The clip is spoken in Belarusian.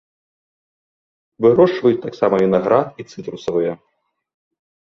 Вырошчваюць таксама вінаград і цытрусавыя.